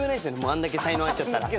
あんだけ才能あっちゃったら。